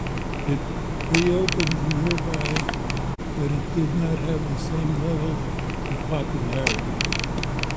It reopened nearby but it did not have the same level of popularity.